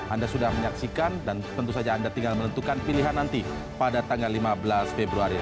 anda sudah menyaksikan dan tentu saja anda tinggal menentukan pilihan nanti pada tanggal lima belas februari